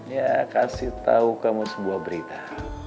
ya kasih tahu kamu sebuah berita